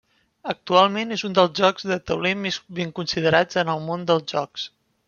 Actualment és un dels jocs de tauler més ben considerats en el món dels jocs.